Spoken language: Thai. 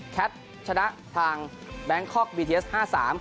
แคปชนะทางแบงคอกบีทีเอส๕๓